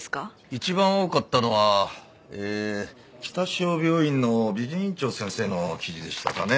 一番多かったのはえー北昭病院の美人院長先生の記事でしたかね。